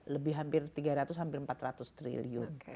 lebih hampir tiga ratus hampir empat ratus triliun